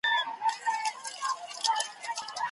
د پوهنتونونو په لیلیو کي د مطالعې ځانګړي اتاقونه سته؟